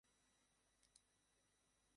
আমি আধা ঘন্টার মধ্যে পৌঁছে যাব।